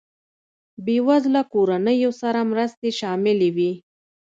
بېوزله کورنیو سره مرستې شاملې وې.